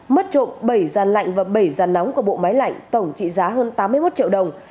mất trộm bảy giàn lạnh và bảy giàn nóng của bộ máy lạnh tổng trị giá hơn tám mươi một triệu đồng